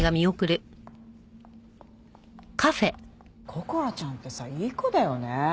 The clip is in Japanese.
こころちゃんってさいい子だよね。